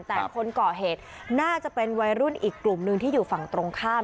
แต่คนก่อเหตุน่าจะเป็นวัยรุ่นอีกกลุ่มหนึ่งที่อยู่ฝั่งตรงข้าม